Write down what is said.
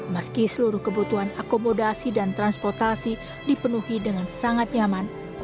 meski seluruh kebutuhan akomodasi dan transportasi dipenuhi dengan sangat nyaman